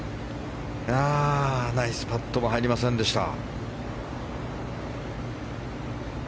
ナイスパットも入りませんでした。